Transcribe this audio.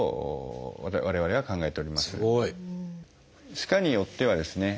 歯科によってはですね